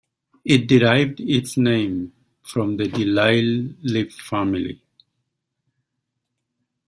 It derived its name from the DeLisle family.